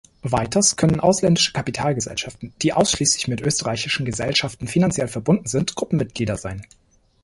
Weiters können ausländische Kapitalgesellschaften, die ausschließlich mit österreichischen Gesellschaften finanziell verbunden sind, Gruppenmitglieder sein.